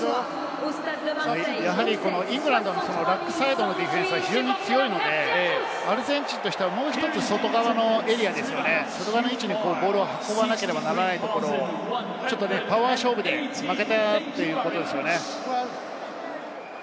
イングランドのラックサイドのディフェンスが非常に強いので、アルゼンチンとしては、もう１つ外側のエリアにボールを運ばなければならないところをパワー勝負で負けたということですよね。